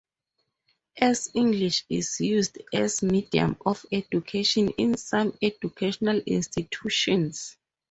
As English is used as medium of education in some educational institutions.